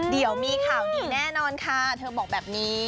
เดี๋ยวมีข่าวดีแน่นอนค่ะเธอบอกแบบนี้